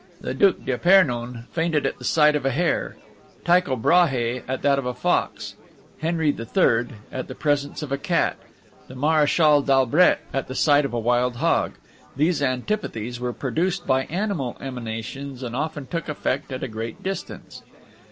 The Duc d'Epernon fainted at the sight of a hare, Tycho Brahe at that of a fox, Henri III. at the presence of a cat, the Marechal d'Albret at the sight of a wild hog; these antipathies were produced by animal emanations, and often took effect at a great distance.